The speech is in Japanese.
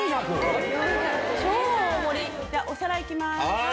お皿いきます。